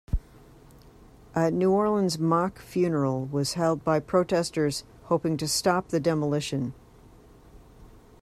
A New Orleans mock funeral was held by protesters hoping to stop the demolition.